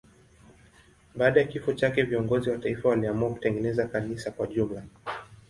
Baada ya kifo chake viongozi wa taifa waliamua kutengeneza kanisa kwa jumla.